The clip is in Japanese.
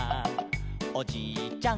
「おじいちゃん